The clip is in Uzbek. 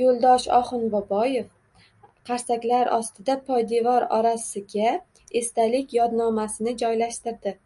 Yo‘ldosh Oxunboboev qarsaklar ostida poydevor ora-siga esdalik yodnomasini joylashtirdi.